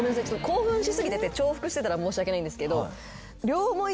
興奮し過ぎてて重複してたら申し訳ないんですけど。